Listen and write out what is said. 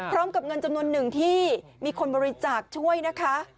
พร้อมกับเงินจำนวนหนึ่งที่มีคนบริจาคช่วยนะคะ